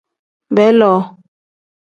Beeloo.